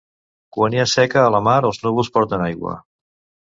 Quan hi ha seca a la mar els núvols porten aigua.